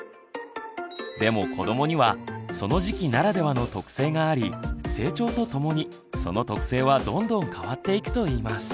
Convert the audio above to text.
でも子どもにはその時期ならではの特性があり成長とともにその特性はどんどん変わっていくといいます。